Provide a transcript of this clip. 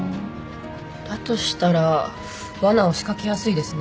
だとしたらわなを仕掛けやすいですね